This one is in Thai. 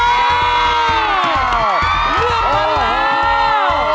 คุณแคลรอนครับ